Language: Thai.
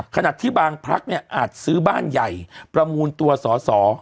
ขณะที่บางพักเนี่ยอาจซื้อบ้านใหญ่ประมูลตัวสอสอ